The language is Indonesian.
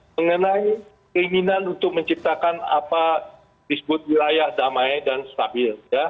mengenai keinginan untuk menciptakan apa disebut wilayah damai dan stabil